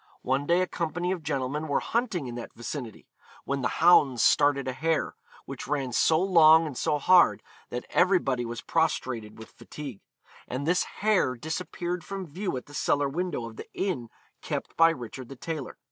One day a company of gentlemen were hunting in that vicinity, when the hounds started a hare, which ran so long and so hard that everybody was prostrated with fatigue; and this hare disappeared from view at the cellar window of the inn kept by Richard the Tailor.